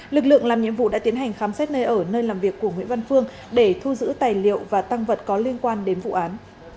lực lượng làm nhiệm vụ đã tiến hành khám xét nơi ở nơi làm việc của nguyễn văn phương để thu giữ tài liệu và tăng vật có liên quan đến vụ án